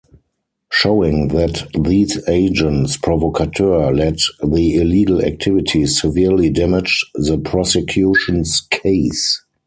Showing that these agents provocateur led the illegal activities severely damaged the prosecution's case.